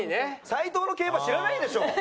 斉藤の競馬知らないでしょ？